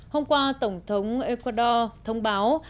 hôm qua tổng thống ecuador thông báo